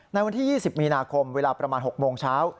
ในวันที่๒๐มีนาคมเวลาประมาณ๖โมงเช้า